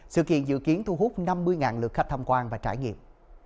sự kiện dự kiến thu hút năm mươi lượt khách tham quan và trải nghiệm